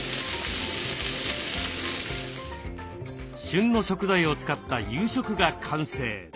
旬の食材を使った夕食が完成。